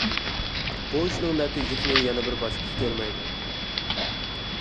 بۇ ئىشنىڭ نەتىجىسىنى يەنە بىر باشقىسى كۆرمەيدۇ.